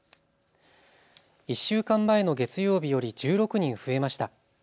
１週間前の月曜日より１６人増えました。